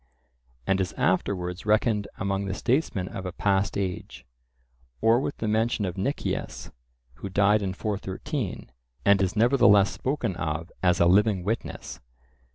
and is afterwards reckoned among the statesmen of a past age; or with the mention of Nicias, who died in 413, and is nevertheless spoken of as a living witness.